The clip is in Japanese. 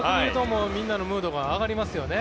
みんなのムードが上がりますよね。